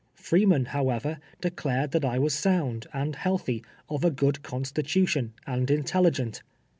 Freeman, however, declared that I was sound and healthy, of a good constitution, and intelligent.